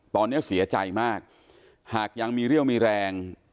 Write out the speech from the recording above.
ตอนนี้เสียใจมากหากยังมีเรี่ยวมีแรง